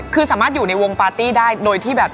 คือสามารถอยู่ในวงปาร์ตี้ได้โดยที่แบบ